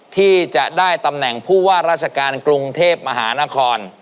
ที่จะได้ตำแหน่งผู้ว่าราชการกรุงเทพมหานคร